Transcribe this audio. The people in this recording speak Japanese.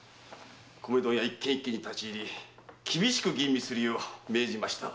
米問屋一軒一軒を厳しく吟味するよう命じました。